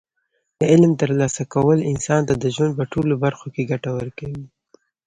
د علم ترلاسه کول انسان ته د ژوند په ټولو برخو کې ګټه ورکوي.